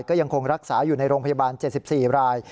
ก็ยังคงรักษาอยู่ในโรงพยาบาล๗๔ราย